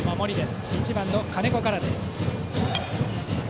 バッター１番の金子からです。